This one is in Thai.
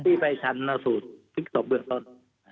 ที่ไปชั้นมาสู่ศพเบื้องต้น